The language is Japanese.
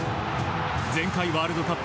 前回ワールドカップ